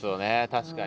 確かに。